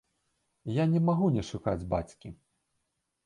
Я не магу не шукаць бацькі.